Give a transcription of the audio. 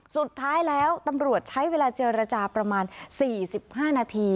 สุดท้ายแล้วตำรวจใช้เวลาเจรจาประมาณ๔๕นาที